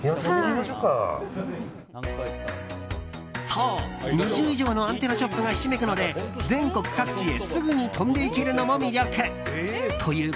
そう、２０以上のアンテナショップがひしめくので全国各地へすぐに飛んでいけるのも魅力。